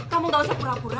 kamu gak usah pura pura